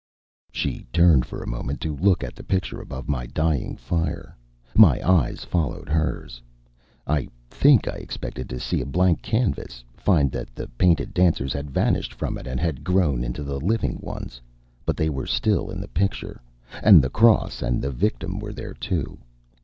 She turned for a moment to look at the picture above my dying fire. My eyes followed hers. I think I expected to see a blank canvas find that the painted dancers had vanished from it and had grown into the living ones. But they were still in the picture, and the cross and the victim were there, too.